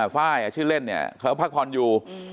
ฟ้ายชื่อเล่นเนี่ยเขาพักพรอยู่